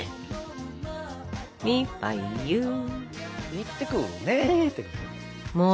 行ってくるねっていう。